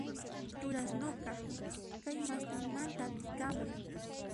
Durasnuqa k'allmastinmantan t'ikamun